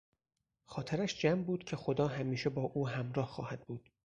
خاطرش جمع بود که خدا همیشه با او همراه خواهد بود.